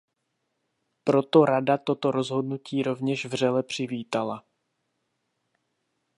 Proto Rada toto rozhodnutí rovněž vřele přivítala.